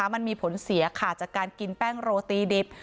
มันมีผลเสียค่ะจากการกินแป้งโรตีดิบ